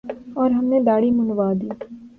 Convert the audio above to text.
اور ہم نے دھاڑی منڈوادی ۔